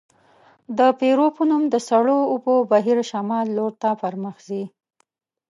د پیرو په نوم د سړو اوبو بهیر شمال لورته پرمخ ځي.